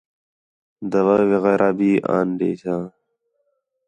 دوائی وغیرہ بھی آن ݙیساں